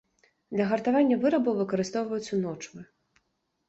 Для гартавання вырабаў выкарыстоўваюцца ночвы.